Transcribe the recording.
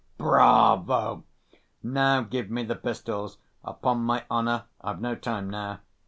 "Bravo! Now give me the pistols. Upon my honor I've no time now.